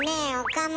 岡村。